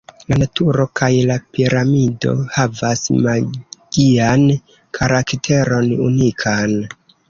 La naturo kaj la piramido havas magian karakteron unikan.